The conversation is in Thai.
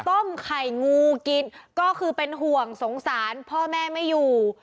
ต้มไข่งูกินก็คือเป็นห่วงสงสารพ่อแม่ไม่อยู่